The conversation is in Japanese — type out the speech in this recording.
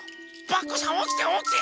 パクこさんおきておきて！